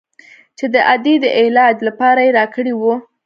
چې د ادې د علاج لپاره يې راكړى و.